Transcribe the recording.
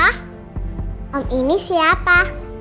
temuin ya papa